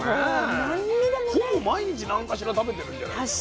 ほぼ毎日何かしら食べてるんじゃないですか。